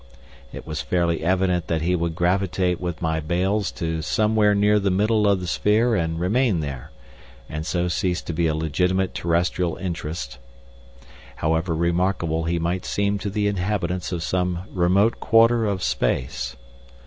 It was fairly evident that he would gravitate with my bales to somewhere near the middle of the sphere and remain there, and so cease to be a legitimate terrestrial interest, however remarkable he might seem to the inhabitants of some remote quarter of space.